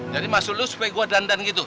jadi maksud lo supaya gue dandan gitu